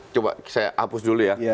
coba saya hapus dulu ya